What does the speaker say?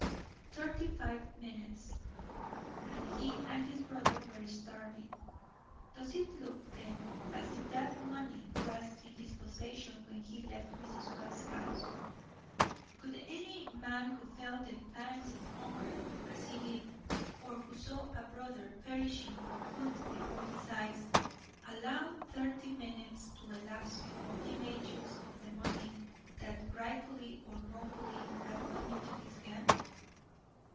Thirty five minutes! And he and his brother were starving. Does it look, then, as if that money was in his possession when he left Mrs. Webb's house? Would any man who felt the pangs of hunger as he did, or who saw a brother perishing for food before his eyes, allow thirty five minutes to elapse before he made use of the money that rightfully or wrongfully had come into his hand?